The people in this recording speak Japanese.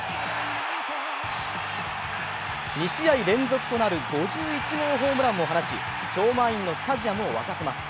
２試合連続となる５１号ホームランを放ち超満員のスタジアムを沸かせます。